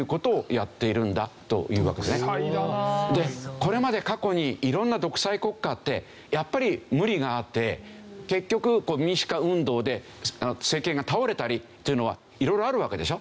これまで過去に色んな独裁国家ってやっぱり無理があって結局民主化運動で政権が倒れたりっていうのは色々あるわけでしょ？